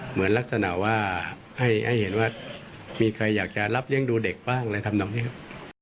เหมือนลักษณะว่าให้เห็นว่ามีใครอยากจะรับเลี้ยงดูเด็กบ้างอะไรทำนองนี้ครับ